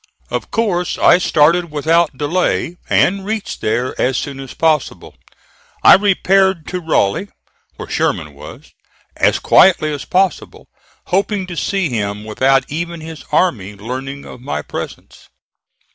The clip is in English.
Of course I started without delay, and reached there as soon as possible. I repaired to Raleigh, where Sherman was, as quietly as possible, hoping to see him without even his army learning of my presence.